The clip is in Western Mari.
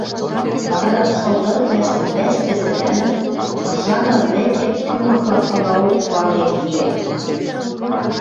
вара, шылдырвлӓштӹм вӓш пӹзӹрӓлӹн, ыржа ныр вӹкӹ кӱ маклакалаок вален кеӓт.